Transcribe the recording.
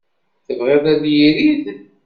Tebɣiḍ ad irid?